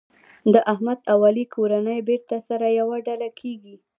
د احمد او علي کورنۍ بېرته سره یوه ډله کېږي.